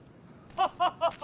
ハハハハ！